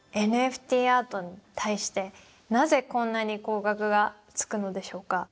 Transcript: ＮＦＴアートに対してなぜこんなに高額がつくのでしょうか。